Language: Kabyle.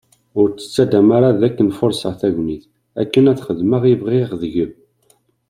Ur tt-ttaddam ara d akken furseɣ tagnit akken ad xedmeɣ i bɣiɣ deg-m.